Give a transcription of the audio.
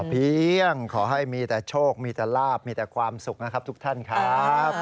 เพียงขอให้มีแต่โชคมีแต่ลาบมีแต่ความสุขนะครับทุกท่านครับ